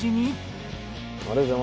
ありがとうございます。